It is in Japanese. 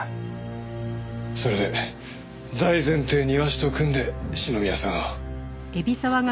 それで財前って庭師と組んで篠宮さんを。